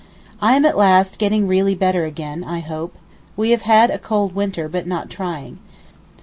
I am at last getting really better again, I hope. We have had a cold winter, but not trying.